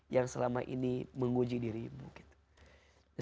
yang selama ini menguji dirimu gitu